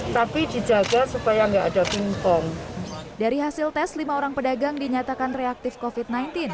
tapi dijaga supaya nggak ada pingpong dari hasil tes lima orang pedagang dinyatakan reaktif kofit sembilan belas